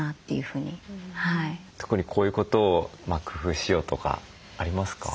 特にこういうことを工夫しようとかありますか？